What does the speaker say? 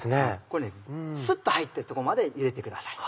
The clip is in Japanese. これスッと入ってるとこまでゆでてください。